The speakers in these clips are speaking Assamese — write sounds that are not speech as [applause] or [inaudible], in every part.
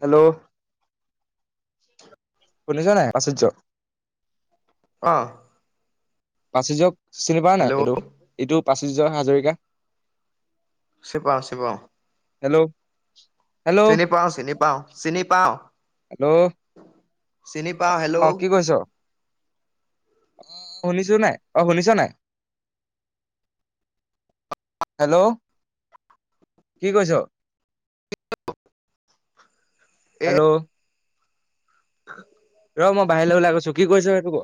হেল্ল'। শুনিছ নাই আচৰ্য্য। অহ'। পাচৰ্য্যক চিনি পোৱা নাই এইটো, ইটো পাচৰ্য্য হাজৰিকা। চিনি পাওঁ, চিনি পাওঁ। হেল্ল'। হেল্ল' চিনি পাওঁ চিনি পাওঁ, চিনি পাওঁ। হেল্ল' চিনি পাওঁ, হেল্ল'। অ কি কৰিছ অ শুনিছো নাই, অহ শুনিছ নাই। হেল্ল', কি কৈছ? [unintelligible] এ হেল্ল'। [unintelligible] ৰ মই বাহিৰলৈ ওলাই গৈছো, কি কৰিছ সেইটো ক?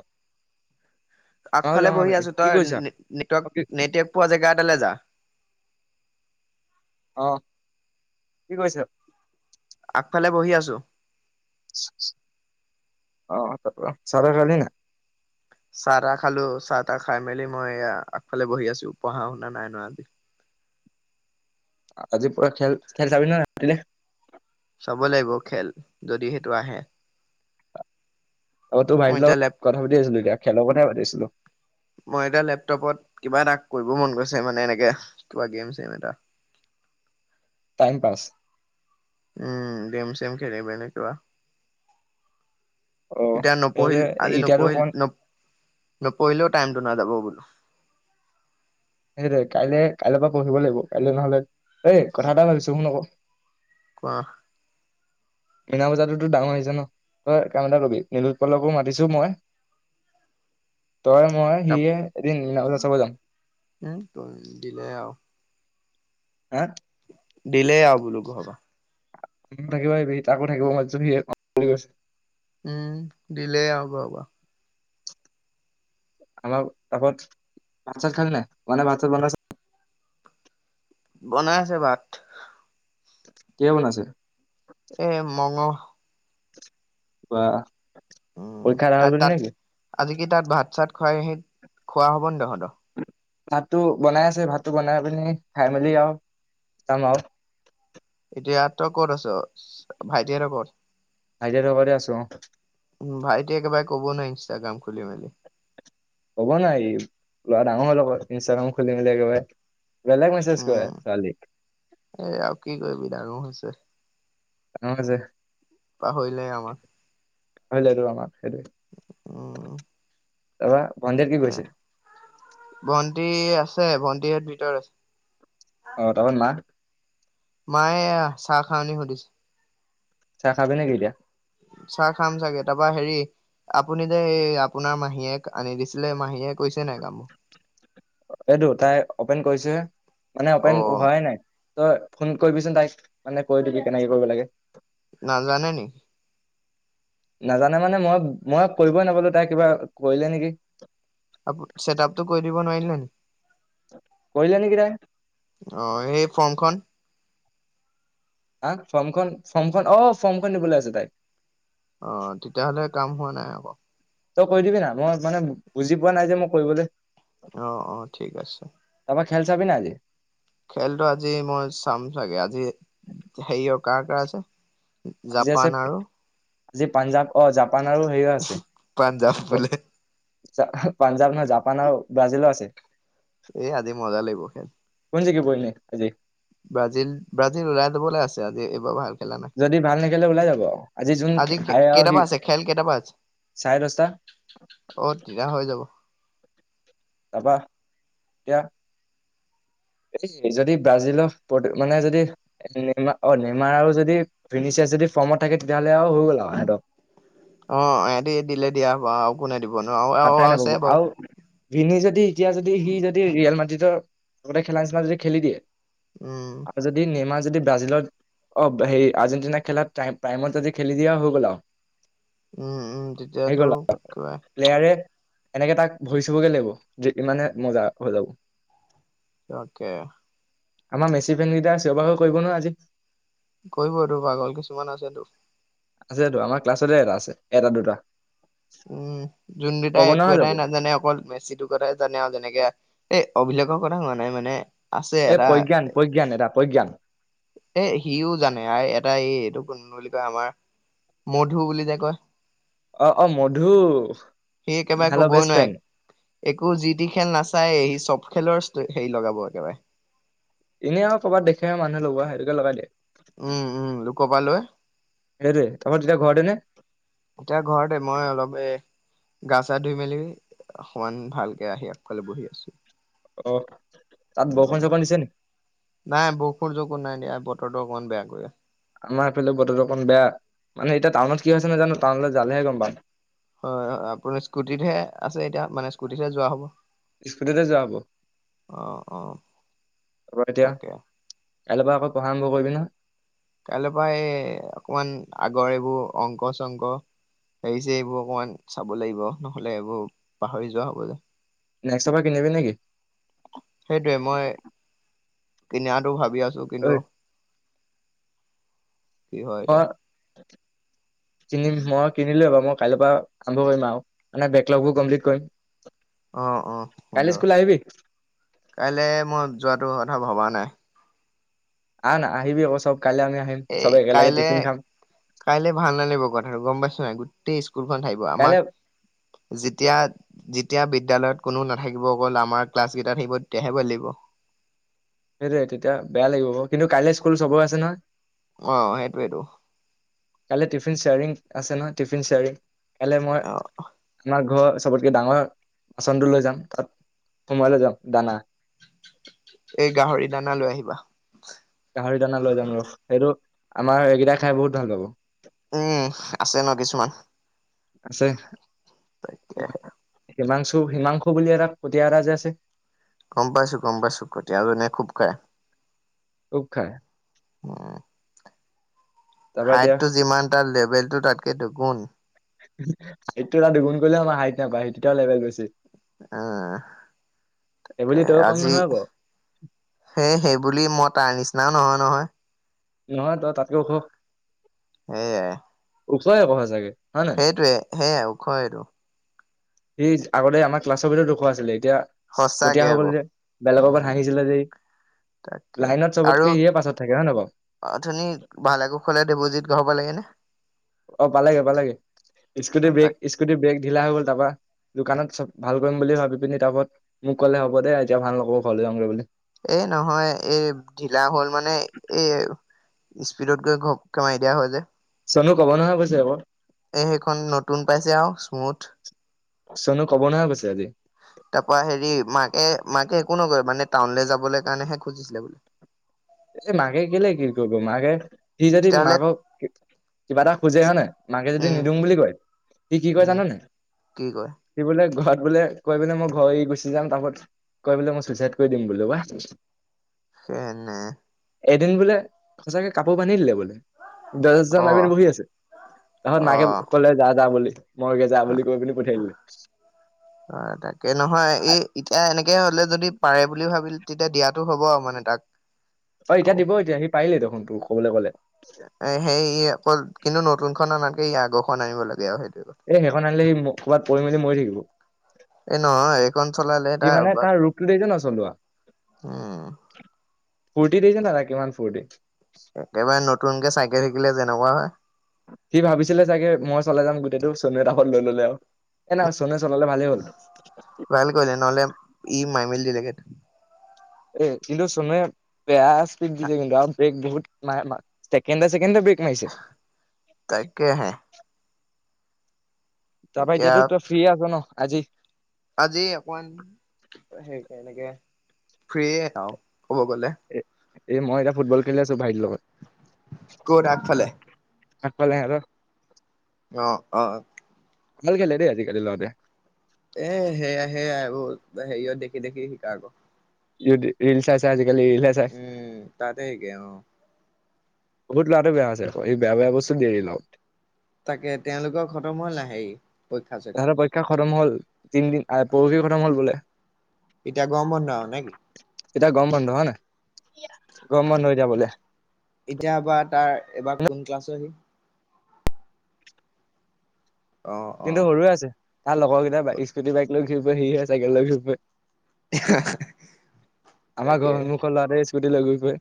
অ আগফালে যাওঁ বহি ভাইটি আছো কি তই ন কৰিছা নেটৰ্ক অ কি নেটৱেক পোৱা জেগা এটালে যা। অহ কি কৈছ? আগফালে বহি আছো। অ চাৰে খালি না চাহ তাহ খালো চাহ তাহ খাই মেলি মই আগফালে বহি আছো পঢ়া শুনা নাই ন আজি। আজি পৰা খেল খেল চাবি না ৰাতিলে? চাব লাগিব খেল যদি সেটো আহে। অ তোৰ মই ভাইটিৰ এতিয়া লগত লেপ কথা পাতি আছিলো এতিয়া খেলৰ কথা পাতি আছিলো। মই এতিয়া লেপটপত কিবা এটা কৰিব মন গৈছে মানে এনেকে কিবা গেম চম এটা টাইম পাছ উম ডেম চেম খেলে বেনে কিবা অ এতিয়া নপঢ়িল এই আজি এতিয়াতো নপঢ়িল অকমান ন নপঢ়িলেও টাইমটো নাযাব বোলো। সেই কাইলে কাইলে পা পঢ়িব লাগিব কাইলৈ নহলে এই কথা এটা ভাবিছো শুন আক। কোৱা? মীনা বজাৰতো ডাঙৰ আহি হৈছে ন তই কাম এটা কবি নীলোৎপলকো মাতিছো মই। [inaudible] তই মই তাপ সিয়ে এদিন [unintelligible] চাব যাম। উম দিলে আৰু আ দিলেই আৰু বুলো ঘৰৰ পা। এদিন থাকিব আহিবি তাকো থাকিব মাতিছোঁ [unintelligible] গৈছে। উম, দিলেই হ'ব-হ'ব। অলপ আগত ভাত চাত খালী নাই মানে ভাত চাত বনাইছে বনাই আছে ভাত। কিয় বনাইছে? এ মঙহ ৱাহ। উম, আৰু তাত আজি কি তাত ভাত চাত খুৱাই আহি খোৱা হ'ব ন' তহত? [unintelligible] ভাতটো বনাই আছে ভাতটো বনাই পিনি খাই মেলি আৰু যাম আৰু। এতিয়া তই ক'ত আছ ভাইটি হেতে ক'ত? ভাইটি হতৰ ঘৰতে আছো অ, উম, ভাইটি একেবাৰে কবই নোৱাৰি ইনষ্টাগ্ৰাম খুলি মেলি। ক'ব নাই ল'ৰা ডাঙৰ হ'ল লগত ইনষ্টাগ্ৰাম খুলি মেলি একেবাৰে। বলেগ মেচজ উম কৰে ছোৱালীক। এ আৰু কি কৰিবি ডাঙৰ হৈছে অ, জে পাহৰিলেই আমাক। সেটোৱে উম। তাপা ভঞ্জিত কি কৈছে? ভণ্টি আছে ভণ্টিহাত ভিতৰত আছে। অ', তাবন মা মায়ে এয়া চাহ খাৱনি সুধিছে। চাহ খাবি নেকি এতিয়া? চাহ খাম চাগে তাৰাপা হেৰি আপুনি যে এই আপোনাৰ মাহীয়েক আনি দিছিলে, মাহীয়ে কৈছে নাই কামো? এইটো তাই অপেন কৰিছহে মানে অপেন অ' হোৱাই নাই। তই ফোন কৰিবিচোন তাইক মানে কৈ দিবি কেনেকে কৰিব লাগে। নাজানে নি? নাজানে মানে মই মই কৰিবই নাপালোঁ তাই কিবা কৰিলে নেকি? কৰিলে নেকি তাই অহ, সেই ফ'ৰ্মখন আহ, ফ'ৰ্মখন ফ'ৰ্মখন অ', ফ'ৰ্মখন নিবলৈ আছে তাই। অ, তেতিয়াহ'লে কাম হোৱা নাই আকৌ। তই কৰি দিবি না মই মানে বুজি পোৱা নাই যে মোক কৰিবলৈ। অ-অ ঠিক আছে। তাৰপৰা খেল চাবি না আজি? খেলটো আজি মই চাম চাগে আজি। হেৰি আৰু কাৰ-কাৰ আছে? আজি আছে জাপান আৰু আজি পাঞ্জাৱ অ, জাপান আৰু হেৰিও আছে। পাঞ্জাৱ বোলে পাঞ্জাৱ নহয়, জাপান আৰু ব্ৰাজিলো আছে। এই আজি মজা লাগিব খেল। [unintelligible] ব্ৰাজিল, ব্ৰাজিল ওলাই যাবলে আছে আজি এইবাৰ ভাল খেলা নাই। যদি ভাল নেখেলে ওলাই যাব যোন আজি খে হাৰে আৰু সি কেইটাপা আছে খেল কেইটাপা আছে? চাৰে দহটা অ, তিতিয়া হৈ যাব। তাৰপা এতিয়া এই যদি ব্ৰাজিলৰ মানে যদি নেইমাৰ অ নেইমাৰ আৰু যদি ভিনিচিয়া যদি ফৰ্মত থাকে তেতিয়াহ'লে আৰু হৈ গ'ল আৰু সেতৰ অ, এহতি দিলে দিয়া হ'ব আৰু কোনে দিব নো আৰু পাত্তাই নাপাব আছে বাৰু। আৰু ভিনি যদি এতিয়া যদি সি যদি ৰিয়েল মাটিতৰ মতে খেলা নিচিনা যদি খেলি দিয়ে উম আৰু যদি নেমাৰ যদি ব্ৰাজিলত অ হেৰি আৰ্জেণ্টিনাৰ খেলা তাই প্ৰাইমত যদি খেলি দিয়ে হৈ গ'ল আৰু উম-উম আহি তেতিয়াতো গ'ল আৰু কিবা প্লেয়াৰে এনেকে তাক ভৰি চুবগে লাগিব যে ইমানে মজা হৈ যাব। তাকে। আমাৰ মেচি ফেন কেইটাই চিঞৰ-বাখৰ কৰিব ন আজি কৰিব টো পাগল কিছুমান আছেতো। আছেটো আমাৰ ক্লাছতে এটা আছে এটা-দুটা। উম, যোন দুটাই একো এটাই নাজানে অকল মেচিটোৰ কথাই জানে আৰু যেনেকে এ অভিলেখৰ কথা হোৱা নাই মানে আছে এ এটা প্ৰজ্ঞান প্ৰজ্ঞান এটা প্ৰজ্ঞান এ সিও জানে আৰু এটা এই এইটো কোন বুলি কয় আমাৰ মধু বুলি যে কয়। অ অ মধু সি একেবাৰে নিহালৰ বেষ্ট কবই ফ্ৰেণ্ড নোৱাৰে। একো যি টি খেল নাচায়ে সি চব খেলৰ ষ্টৰি হেৰি লগাব একেবাৰে। এনেই আৰু কৰবাত দেখে আৰু মানুহে লগোৱা সেইটোকে লগাই দিয়ে। ক'বালৈ সেইটোৱেই, তাৰপৰা তেতিয়া ঘৰতে নে? এতিয়া ঘৰতে, মই অলপ এ গা-চা ধুই মেলি, সমান ভালকে আহি আগফালে বহি আছোঁ। অ'। তাত বৰষুণ উম, চৰষুণ দিছে নি নাই বৰষুণ-চৰখুন নাই দিয়া। বতৰটো অকমান বেয়া কৰে আমাৰ এইফালে বতৰটো অকণ বেয়া, মানে এতিয়া টাউনত কি হৈছে নাজানো, টাউনলৈ যালে হে গম পাম। হয়, হয়। আপুনি স্কুটিতহে আছে এতিয়া মানে স্কুটিতহে যোৱা হ'ব? স্কুটিতে যোৱা হ'ব অ', অ', [unintelligible] এতিয়া তাকে। কাইলৈৰ পৰা আকৌ পঢ়া আৰম্ভ কৰিবি নহয়? কাইলৈৰ পৰা এই, অকণমান আগৰ এইবোৰ অংক-চংক হেৰি-চেৰিবোৰ অকণমান চাব লাগিব নহ'লে এইবোৰ পাহৰি যোৱা হ'ব যে [unintelligible] কিনিবি নেকি? সেইটোৱে মই কিনাটো ভাবি আছোঁ ঐ কিন্তু কি হয় অ'। এতিয়া। কিনিম, মই কিনিলোঁ বাৰু মই কাইলৈৰ পৰা আৰম্ভ কৰিম আৰু মানে বেকলগবোৰ কমপ্লিট কৰিম। অ', অ', কাইলৈ সুন্দৰ। স্কুল আহিবি কাইলৈ মই যোৱাটো কথা ভবা নাই। আহ না আহিবি আকৌ চব। কাইলৈ আমি আহিম এই চবে একেলগে কাইলে টিফিন খাম কাইলে ভাল নালাগিব কথাটো গম পাইছ নাই গোটেই স্কুলখন থাকিব আমাক কাইলৈ যেতিয়া যেতিয়া বিদ্যয়ালয়ত কোনো নাথাকিব অকল আমাৰ ক্লাছ কেইটাত থাকিব তেতিয়াহে ভাল লাগিব। সেই তেতিয়া বেয়া লাগিব বাৰু। কিন্তু কাইলে স্কুল চবৰো আছে না। অ সেইটোয়েটো। কালি টিফিন শেয়াৰিং আছে ন টিফিন শেয়াৰিং কাইলে অ মই আমাৰ ঘৰ চবতকে ডাঙৰ বাচনটো লৈ যাম তাত সোমোয় লোই যাম দানা এই গাহৰি দানা লৈ আহিবা গাহৰি দানা লৈ যাম ৰো সেইটো আমাৰ এইকেইটা খাই বহুত ভাল পাব উম আছে ন কিছুমান আছে তাকেহে হিমাংশু। হিমাংশু বুলি এটা কটিয়া এটা যে আছে। কম পাইছোঁ গম পাইছোঁ কটিয়া আৰু নে খুব কাৰে। খুব খায়। উ তাৰপৰা এতিয়া হাইটো যিমান তাৰ লেভেল টো তাতকে দু গুণ। সিটো এটা দুগুণ কৰিলেও আমাৰ হাইট নাবাঢ়ে সেইটো লেভেল হৈছে। আহ তাকে সেইবুলি তইও কম আজি নহয় আকৌ সেয় সেইবুলি মত তাৰ নিচিনাও নহয়-নহয়। নহয় ত তাতকেও উখ। সেয়ে। ওচৰৰ ঘৰৰ চাগে। সেইটোৱে সেয়াই ওখ এইটো সি আগতে আমাৰ ক্লাছৰ ভিতৰত ওখ আছিলে। এতিয়া সঁচাকে কঠীয়া হৈ আকৌ গ'ল যে বেলেগৰ উপৰত উম হাঁহিছিলে যে সি তাকে লাইনত চবতকে সিয়ে পাছত থাকে হয় নে ন বাৰু? অ ধুনিক ভাল আকো খৱালে দেৱজীত গঢ়ব হ'ব লাগে নে? অ পালেগে পালেগে স্কুটি ব্ৰেক তাক স্কুটি ব্ৰেক ঢিলা হৈ গ'ল তাৰপা দোকানত চব ভাল কৰিম বুলি ভাবি পিনি তাৰওপৰত মোক কলে হব দে এতিয়া ভাল নকৰোঁ ঘৰলৈ যামগৈ বুলি। এ নহয় এই ঢিলা হ'ল মানে এই স্পীডত গৈ ঘপ কে মাৰি দিয়া হয় যে। চনো ক'ব নহয় আকৌ এ সেইখন নতুন পাইছে আৰু স্মুথ। চনো ক'ব নহয় কৈছে আজি? তাৰ পৰা হেৰি মাকে মাকে একো নকয় মানে টাউনলৈ যাবলৈ কাৰণেহে খুজিছিলে বোলে। এই মাকে কেলে কি কৰিব মাকে সি যদি তেতিয়াহ'লে মাকক। কিবা এটা খোজে হয় নে, মাকে যদি উম নিদিওঁ বুলি কয়, সি কি কয় জান উম নাই? কি কয় সি বোলে ঘৰত বোলে কয় বোলে মই ঘৰ এৰি গুচি যাম, তাপছত কয় বোলে মই চুইচাইড কৰি দিম বোলে‌ ঔ আ এনে। এদিন বোলে সঁচাকে কাপোৰ বান্ধি দিলে বোলে। দজা চজা‌ অ মাৰি পেলাই বহি আছে, তাছত অ মাকে ক'লে যা যা বুলি। মইগে যা বুলি কৈ পিনি পঠিয়াই দিলে অ', তাকে নহয়, এই এতিয়া এনেক তে হ'লে যদি পাৰে বুলি ভাবিল, তেতিয়া দিয়াটো হ'ব আৰু মানে তাক। অ', এতিয়া আৰু দিব, এতিয়া সি পাৰিলেই দেখোন, তোৰ ক'বলৈ গ'লে। এ সেই অকল, কিন্তু নতুনখন অনাতকে ই আগৰখন আনিব লাগে আৰু সেইট এই সেইখন আনিলে সি ক'ৰবাত পৰি মেলি মৰি থাকিব। এ নহয়, এইখন চলালে সি তাৰ মানে অভ্যাস, ৰূপটো দেখিছ নাই চলোৱা উম। ফূৰ্তি দেইছা নাই তাৰ কিমান ফূৰ্তি? একেবাৰে নতুনকে চাইকেল শিকিলে যেনেকুৱা হয়, সি ভাবিছিলে চাগে মই চলাই যাম গোটেইটো, চনুৱে তাখন লৈ ললে আও, এ না চনু ভাল কৰিলে, নহ'লে ই মাই মেলি এ, কিন্তু চুনুৱে বেয়া স্পিদ দিছে কিন্তু, আৰু ব্ৰেক বহুত মা-মা চেকেণ্ডে, চেকেণ্ডে ব্ৰেক মাৰিছে তাকেহে। তাৰপা এতিয়া এতিয়াতো তই ফ্ৰি আছ ন আজি। আজি অকন সে-সেনেকে ফ্ৰিয়ে আওঁ। ক'ব গ'লে। এ মই এতিয়া ফুটবল খেলি আছো ভাইটি লগত। ক'ত আগফালে আগফালে সেহেতৰ অ', অ', ভাল কৰিলে দেই আজিকালি ল'ৰাটোৱেই। এ হেয়াহে আৰু হেৰিয়ত দেখি-দেখি শিকা আকৌ। যদি ৰিল চাচাই চাই আজি। উম, তাতে এতিয়া অ' বহুত ল'ৰাটো বেয়া হৈছে এই বেয়া-বেয়া বস্তু দিয়ে [unintelligible] তাকে তেওঁলোকৰ খতম হ' ল আ হেৰী। তাহাতৰ পৰীক্ষা খতম হ'ল তিনদিন। আ, পৰহি খতম হ'ল বোলে। এতিয়া গৰম বন্ধ আৰু নে কি? এতিয়া গৰম বন্ধ হ'য়নে গৰম বন্ধ এতিয়া বোলে। এতিয়া বা তাৰ এবাৰ কোন ক্লাছৰ হি? অ', কিন্তু অ', সৰু [unintelligible] আছে তাৰ লগৰ কেইটা বা স্কুটি, বাইক লৈ ঘূৰি ফুৰে হিহে চাইকেল লৈ ঘূৰি ফুৰে। আমাৰ ঘৰৰ তাকে। সন্মুখৰ লৰাতোয়ে স্কুটি লৈ ঘূৰি ফুৰে।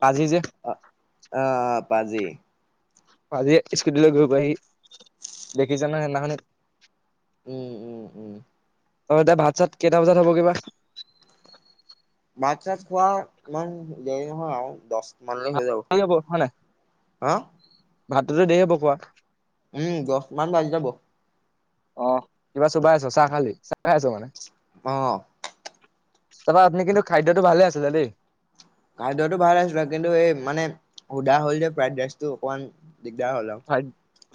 পাজি যে অ, আহ পাজি পাজিয়ে স্কুটিলৈ ঘূৰি ফুৰে সি দেখিছানে সেইদিনাখনে উম-উম-উম অ এতিয়া ভাত চাত কেইটা বজাত হবগে বা? ভাত-চাত খোৱা ইমান দেৰি নহয় আৰু দছ দেৰি হ'ব হয় নাই? [unintelligible] ভাতটোতো দেৰি হ'ব খোৱা? উম, দছ মান বাজি যাব। অ' কিবা চোবাই আছ চাহ খালি। চাহ খাই আছ মানে? অ', তাপা আপুনি কিন্তু খাদ্যটো ভালে আছিলে দেই। খাদ্যটো ভাল আছিল কিন্তু এই মানে, সুধা হ'ল যে ফাইড ৰাইচটো অকমান দিগদাৰ হ'ল আৰু ফ্ৰাইড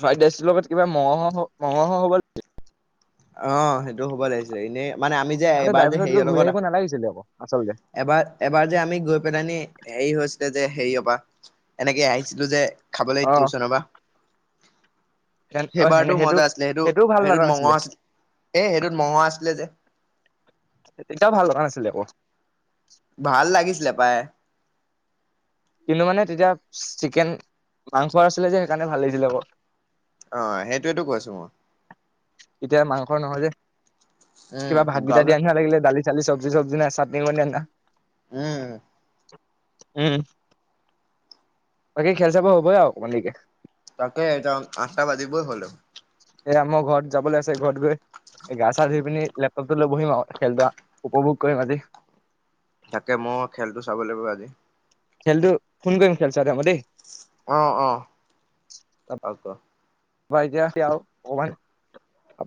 ফ্ৰাইড ৰাইচৰ লগত কিবা মঙহ-মঙহ অলপ। অ সেইটো হ'ব লাগিছিল এনেই মানে আমি যে এইবাৰ যে বাইপাছত গৈ হেৰিয়ৰ ঘূৰি লগত। আহিব নালাগিছিলে আকৌ আচলতে এবাৰ এবাৰ যে আমি গৈ পেলানি হেৰি যে হেৰি হবা এনেকে আহিছিলো যে খাবলৈ অ টিউচনৰ পৰা। অ সেনে সেইবাৰতো মজা আছিলে সেইটো সেইটোও ভাল লগা সেইটোত মঙহ নাছিলে আছিলে এ সেইটোত মঙহ আছিলে যে। তেতিয়াও ভাল লগা নাছিলে আকৌ ভাল লাগিছিলে পাই। কিন্তু মানে তেতিয়া চিকেন মাংস আছিলে যে সেইকাৰণে ভাল লাগিছিলে আকৌ। অ সেইটোয়েতো কৈ আছো মই এতিয়া মাংস নহয় যে কিবা উম ভাতগেইটা গাঁৱতে দিয়া নিচিনা লাগিলে দালি। চালি চব্জি-চব্জি নাই চাটনি উম, উম, বাকী খেল চাব হবয়ে আৰু অকমান দেৰিকে। তাকে [unintelligible] আঠটা বাজিবই হল দেখোন [inaudible] এয়া মোৰ ঘৰত যাবলৈ আছে ঘৰত গৈ গা চা ধুই পিনি লেপটপ টো লৈ বহিম আৰু খেল ধৰা উপভোগ কৰিম আজি তাকে মই খেলটো চাব লাগিব আজি খেলটো ফোন কৰিম খেলছোৱা টাইমত দেই অ অ পৰা এতিয়া কি আৰু অকমান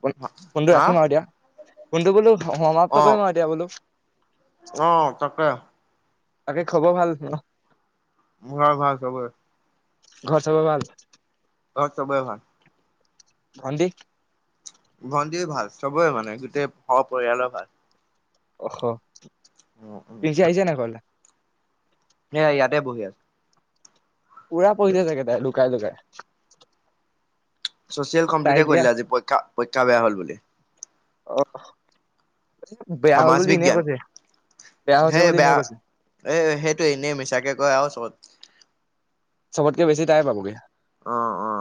ফোনটো হা ৰাখিম আৰু এতিয়া ফোনটো বোলো অ সমাপ্ত কৰিম আৰু এতিয়া বোলো অ তাকে বাকী খবৰ ভাল ন ভাল ভাল চবৰে ঘৰৰ চবৰে ভাল ঘৰত চবৰে ভাল ভন্টি ভন্টি ভাল চবেই মানে গোটেই ঘৰৰ পৰিয়ালৰ ভাল অ উম [unintelligible] এয়া ইয়াতে বহি আছো পুৰা পঢ়িছে চাগে তাই লুকাই লুকাই চচিয়েল তাই কমপ্লিটে কৰি এতিয়া দিলে আজি পৰীক্ষা পৰীক্ষা বেয়া হ'ল বুলি আহ বেয়া হ'ল বুলি এনে কৈছে বেয়া হৈছে হেই বুলি বেয়া এনেই কৈছে। এ সেইটো এনেই মিছাকে কয় আৰু চবত চবতকে বেছি তাই পাবগে অ অ